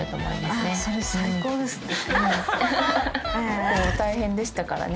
結構大変でしたからね。